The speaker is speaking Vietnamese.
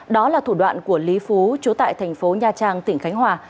đó là thủ đoạn của lý phú trú tại thành phố nha trang tỉnh khánh hòa